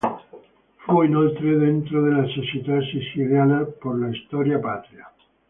Fu inoltre membro della Società Siciliana per la Storia Patria.